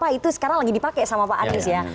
karena itu sekarang lagi dipakai sama pak atis ya